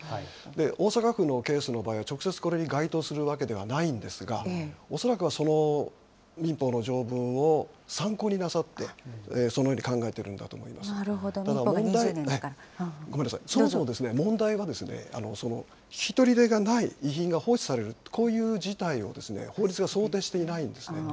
大阪府のケースの場合は、直接これに該当するわけではないんですが、恐らくはその民法の条文を参考になさって、そのように考えているなるほど、そもそも問題は、引き取り手がない遺品が放置されるという事態を法律が想定していないんですね。